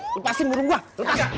eh lepasin burung gue